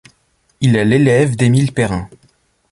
Il est l’élève d'Émile Perrin.